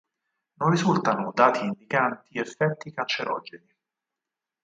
Non risultano dati indicanti effetti cancerogeni.